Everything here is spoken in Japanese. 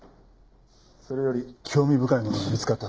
それより興味深いものが見つかった。